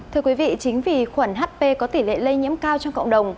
thưa quý vị chính vì khuẩn hp có tỷ lệ lây nhiễm cao trong cộng đồng